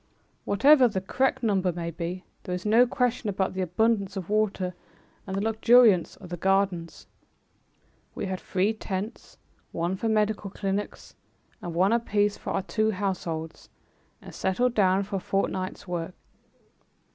Whatever the correct number may be, there is no question about the abundance of water and the luxuriance of the gardens. We had three tents, one for medical clinics and one apiece for our two households, and settled down for a fortnight's work.